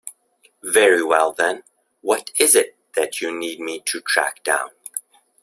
Very well then, what is it that you need me to track down?